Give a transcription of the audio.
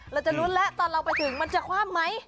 เราจะลุ้นแล้วตอนเราไปถึงมันจะคว่ำไหม